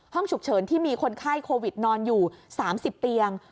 ห้องฉุกเฉินที่มีคนไข้โควิดนอนอยู่๓๐เตียง